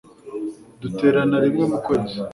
Duterana rimwe mu kwezi